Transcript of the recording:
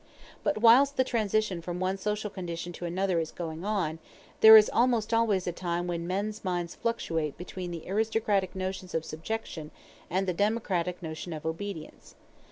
But whilst the transition from one social condition to another is going on, there is almost always a time when men's minds fluctuate between the aristocratic notion of subjection and the democratic notion of obedience.